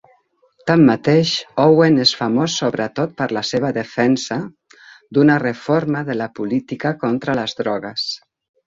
Tanmateix, Owen és famós sobretot per la seva defensa d'una reforma de la política contra les drogues.